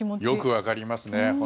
よく分かりますね。